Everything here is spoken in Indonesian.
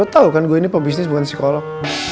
kamu tahu kan saya ini pebisnis bukan psikolog